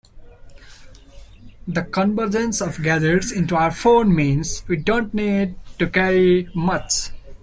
The convergence of gadgets into our phone means we don't need to carry much.